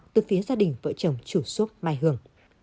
từ phía gia đình vợ chồng chủ xốp mai hường